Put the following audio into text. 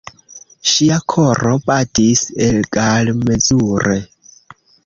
Ŝia koro batis egalmezure.